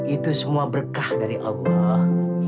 itu semua berkah dari allah